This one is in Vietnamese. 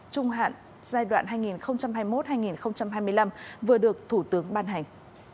trung hạn giai đoạn hai nghìn hai mươi một hai nghìn hai mươi năm vừa được thủ tướng ban hành